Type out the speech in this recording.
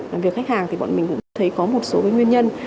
làm việc khách hàng thì bọn mình cũng thấy có một số nguyên nhân